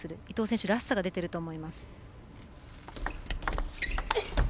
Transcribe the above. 伊藤選手らしさが出ていると思います。